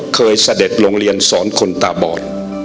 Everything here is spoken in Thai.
เสด็จโรงเรียนสอนคนตาบอด